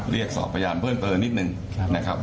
เรียกสอบพยานเพิ่มเติมนิดนึงนะครับ